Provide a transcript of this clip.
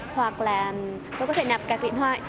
hoặc là tôi có thể nạp các điện thoại